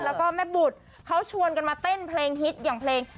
แล้วก็แม่บุตรเขาชวนกันมาเต้นเพลงฮิตอย่างเพลง